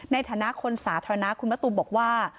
ในฐานะคนสาธารณะคุณมะตูมบอกว่า